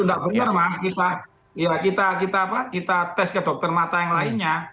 kalau nanti hasil dokter itu nggak benar mas kita ya kita apa kita tes ke dokter mata yang lainnya